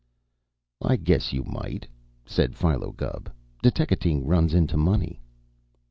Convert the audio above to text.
"I guess you might," said Philo Gubb. "Deteckating runs into money."